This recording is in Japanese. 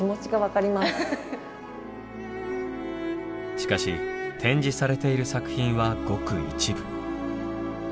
しかし展示されている作品はごく一部。